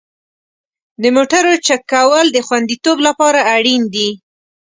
د موټرو چک کول د خوندیتوب لپاره اړین دي.